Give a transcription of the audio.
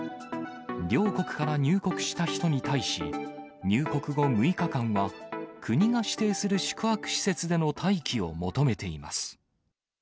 両国から入国した人に対し、入国後６日間は、国が指定する宿泊施設での待機を求めています。